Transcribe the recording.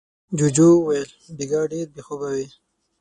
جوجو وويل: بېګا ډېر بې خوبه وې.